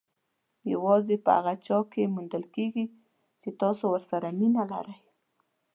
یوازې په هغه چا کې موندل کېږي چې تاسو ورسره مینه لرئ.